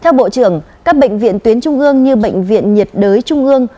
theo bộ trưởng các bệnh viện tuyến trung ương như bệnh viện nhiệt đới trung ương